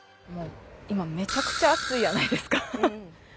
今めちゃくちゃ暑いやないですか。